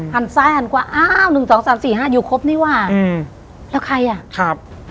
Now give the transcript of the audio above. หันซ้ายหันขวาอ้าว๑๒๓๔๕อยู่ครบนี่หว่าแล้วใครน่ะ